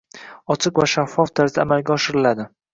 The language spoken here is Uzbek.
ochiq va shaffof tarzda amalga oshiriladi.